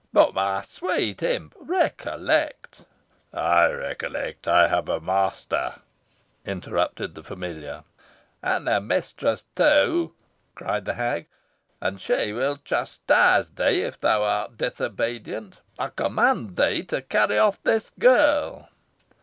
"But, my sweet imp, recollect " "I recollect I have a master," interrupted the familiar. "And a mistress, too," cried the hag; "and she will chastise thee if thou art disobedient. I command thee to carry off this girl."